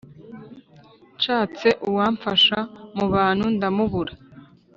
nshatse uwamfasha mu bantu, ndamubura!